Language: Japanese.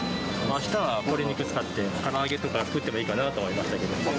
あしたは鶏肉使って、から揚げとか作ってもいいかなと思いましたけど。